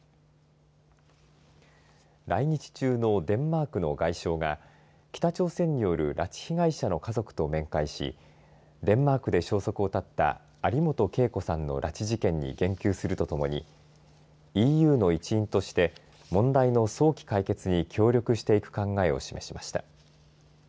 来日中のデンマークの外相が北朝鮮による拉致被害者の家族と面会しデンマークで消息を絶った有本恵子さんの拉致事件に言及するとともにＥＵの一員として問題の早期解決に協力していく考えを示しました。